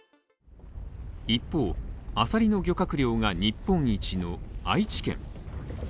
一方、アサリの漁獲量が日本一の愛知県。